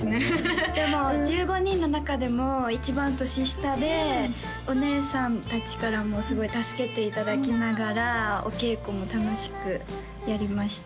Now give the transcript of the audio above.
面白そうでも１５人の中でも一番年下でお姉さん達からもすごい助けていただきながらお稽古も楽しくやりました